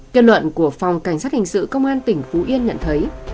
kết luận của phòng cảnh sát hình sự công an tỉnh phú yên nhận thấy